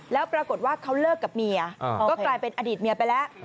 แล้วปรากฏว่าเขาเลิกกับเมียก็กลายเป็นอดีตเมียไปแล้ว